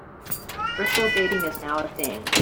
Virtual dating is now a thing.